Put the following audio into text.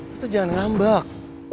lo tuh jangan ngambak